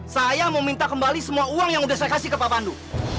saya mau minta kembali semua uang yang udah saya kasih ke pak pandu